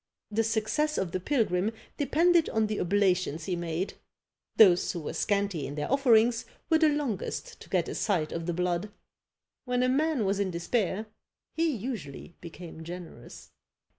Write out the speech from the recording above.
The success of the pilgrim depended on the oblations he made; those who were scanty in their offerings were the longest to get a sight of the blood: when a man was in despair, he usually became generous!